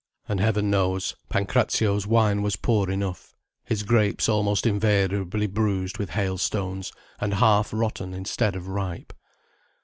And heaven knows, Pancrazio's wine was poor enough, his grapes almost invariably bruised with hail stones, and half rotten instead of ripe.